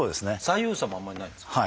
左右差もあんまりないんですか？